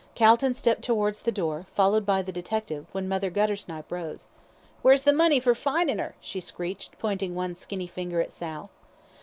Calton stepped towards the door, followed by the detective, when Mother Guttersnipe rose. "Where's the money for finin' her?" she screeched, pointing one skinny finger at Sal.